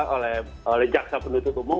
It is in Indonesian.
oleh jaksa penutup umum